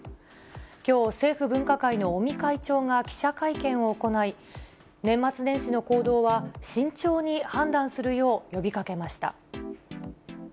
きょう、政府分科会の尾身会長が記者会見を行い、年末年始の行動は慎重に判断するよう呼びかけました。